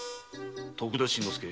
徳田新之助。